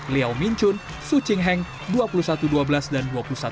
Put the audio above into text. leao minchun su ching heng dua puluh satu dua belas dan dua puluh satu dua belas